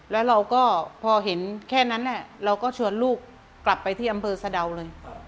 แล้วเราก็พอเห็นแค่นั้นเราก็ชวนลูกกลับไปที่อำเภอสะดาวเลย